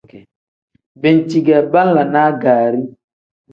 Banci ge banlanaa gaari.